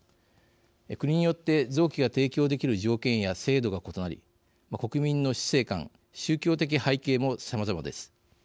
国によって臓器が提供できる条件や制度が異なり国民の死生観、宗教的背景もさまざまです。